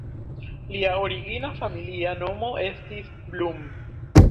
Lia origina familia nomo estis "Blum".